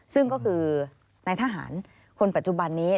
ซึ่งก็คือนายทหารคนปัจจุบันนี้